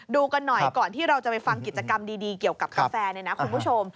ดูกันหน่อยก่อนที่เราจะไปฟังกิจกรรมดีเกี่ยวกับกาแฟเนี่ยนะคุณผู้ชม